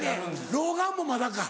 老眼もまだか。